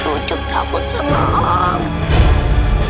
ucup takut sama omin